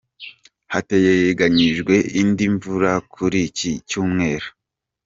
Hateganyijwe indi mvura kuri iki Cyumweru.